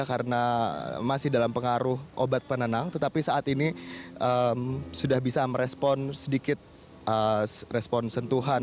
karena masih dalam pengaruh obat penenang tetapi saat ini sudah bisa merespon sedikit respon sentuhan